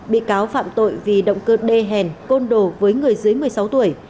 bị cáo phạm tội vì động cơ đê hèn côn đồ với người dưới một mươi sáu tuổi